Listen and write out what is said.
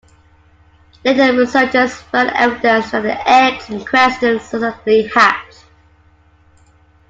Later researchers found evidence that the eggs in question successfully hatched.